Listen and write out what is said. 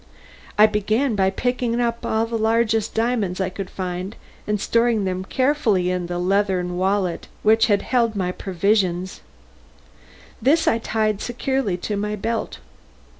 I began by picking up all the largest diamonds I could find and storing them carefully in the leathern wallet which had held my provisions; this I tied securely to my belt.